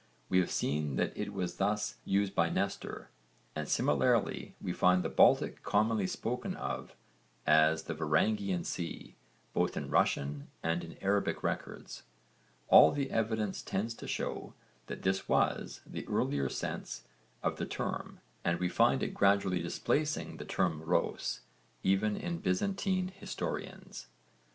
We have seen that it was thus used by Nestor, and similarly we find the Baltic commonly spoken of as the 'Varangian' Sea both in Russian and in Arabic records. All the evidence tends to show that this was the earlier sense of the term and we find it gradually displacing the term 'Rhôs' even in Byzantine historians.